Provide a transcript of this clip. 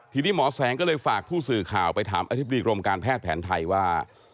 ทีนี้หมอแสงก็เลยฝากผู้สื่อข่าวไปถามอธิบดีกรมการแพทย์แผนไทยว่า